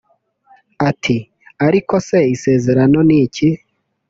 Ati “Ariko se isezerano ni iki